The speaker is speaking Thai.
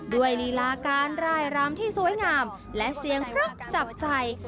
ลีลาการร่ายรำที่สวยงามและเสียงพลึกจับใจ